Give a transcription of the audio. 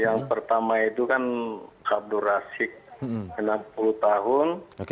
yang pertama itu kan abdur rasik enam puluh tahun